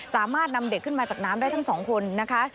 สามารถนำเด็กขึ้นมาจากน้ำได้ทั้งสองคนนะคะ